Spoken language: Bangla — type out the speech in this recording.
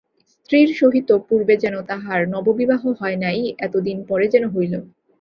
স্ত্রীর সহিত পূর্বে যেন তাহার নববিবাহ হয় নাই, এতদিন পরে যেন হইল।